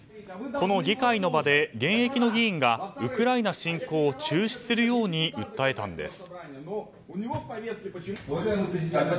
この議会の場で現役の議員がウクライナ侵攻を中止するように訴えたんです。